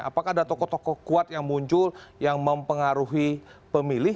apakah ada tokoh tokoh kuat yang muncul yang mempengaruhi pemilih